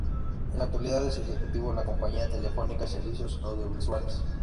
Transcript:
En la actualidad es ejecutivo en la compañía Telefónica Servicios Audiovisuales.